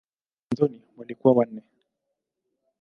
Mwanzoni walikuwa wanne.